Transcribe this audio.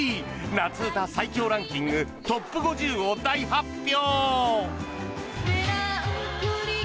夏うた最強ランキングトップ５０を大発表！